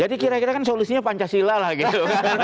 jadi kira kira kan solusinya pancasila lah gitu